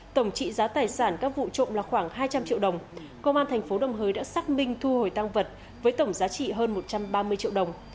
tổng trị giá tài sản các vụ trộm là khoảng hai trăm linh triệu đồng công an thành phố đồng hới đã xác minh thu hồi tăng vật với tổng giá trị hơn một trăm ba mươi triệu đồng